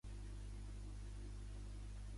També es troba en placers.